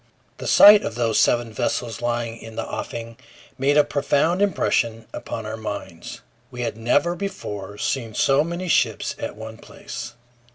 The sight of those seven vessels lying in the offing made a profound impression upon our minds. We had never before seen so many ships at one place.